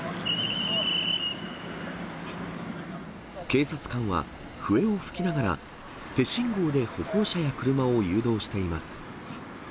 警察官は、笛を吹きながら、手信号で歩行者や車を誘導しています。